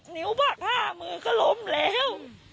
นิ้วบาดผ้ามือก็ล้มแล้ว